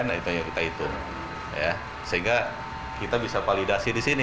nggak tahu sih saya